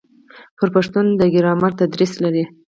بر پښتون د ګرامر تدریس لري.